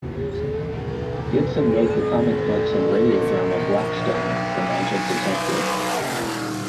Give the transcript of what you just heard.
Gibson wrote the comic books and radio drama Blackstone, the Magic Detective.